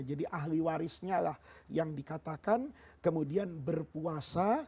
jadi ahli warisnya lah yang dikatakan kemudian berpuasa